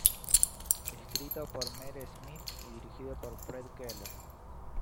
Escrito por Mere Smith y dirigido por Fred Keller.